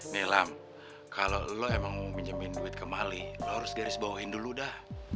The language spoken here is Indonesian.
nih lam kalo lo emang mau minjemin duit ke mali lo harus garis bawahin dulu dah